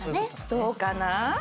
どうかな？